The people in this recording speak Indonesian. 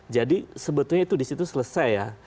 jadi sebetulnya itu disitu selesai ya